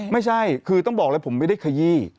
ไม่ใช่คือต้องบอกเลยผมไม่ได้ขยี้